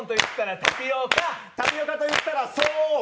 タピオカといったらそば。